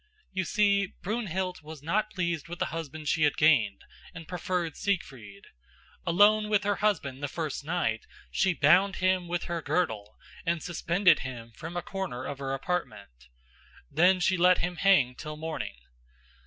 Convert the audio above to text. You see, Brunhild was not pleased with the husband she had gained and preferred Siegfried. Alone with her husband the first night she bound him with her girdle and suspended him from a corner of her apartment. There she let him hang till morning.